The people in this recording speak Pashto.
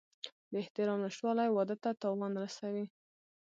د احترام نشتوالی واده ته تاوان رسوي.